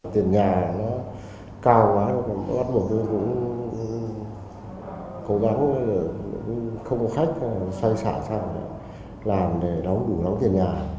tiền nhà nó cao quá bắt một đứa cũng cố gắng không có khách xoay xạ xa làm để đóng đủ đóng tiền nhà